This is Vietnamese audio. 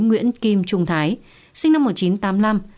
nguyễn kim trung thái sinh năm